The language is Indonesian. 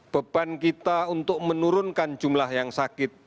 beban kita untuk menurunkan jumlah yang sakit